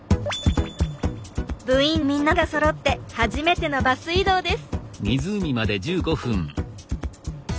部員みんながそろって初めてのバス移動です。